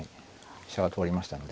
飛車が通りましたんで。